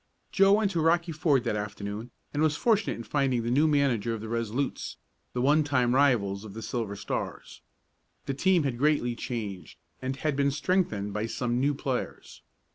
Joe went to Rocky Ford that afternoon, and was fortunate in finding the new manager of the Resolutes, the one time rivals of the Silver Stars. The team had greatly changed, and had been strengthened by some new players.